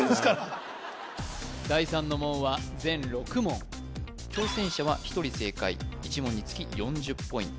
第三の門は全６問挑戦者は１人正解１問につき４０ポイント